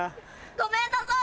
ごめんなさい！